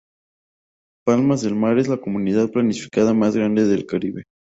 Palmas del Mar es la comunidad planificada más grande del Caribe.